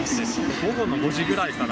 午後の５時ぐらいから。